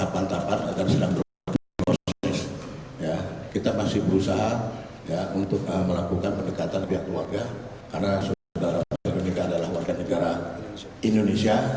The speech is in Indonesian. pengaturan biar keluarga karena saudara veronica adalah warga negara indonesia